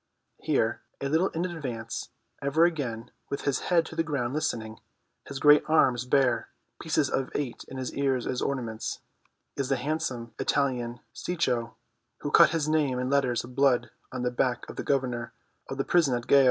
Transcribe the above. Here, a little in advance, ever and again with his head to the ground listening, his great arms bare, pieces of eight in his ears as ornaments, is the handsome Italian Cecco, who cut his name in letters of blood on the back of the governor of the prison at Gao.